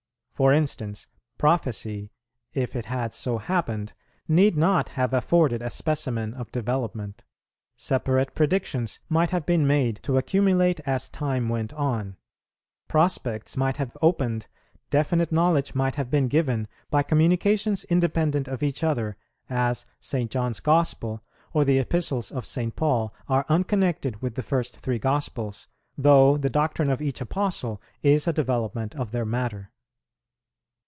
For instance, Prophecy, if it had so happened, need not have afforded a specimen of development; separate predictions might have been made to accumulate as time went on, prospects might have opened, definite knowledge might have been given, by communications independent of each other, as St. John's Gospel or the Epistles of St. Paul are unconnected with the first three Gospels, though the doctrine of each Apostle is a development of their matter.